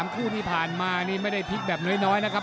คู่ที่ผ่านมานี่ไม่ได้พลิกแบบน้อยนะครับ